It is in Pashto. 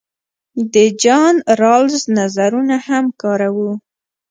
د جان رالز نظرونه هم کاروو.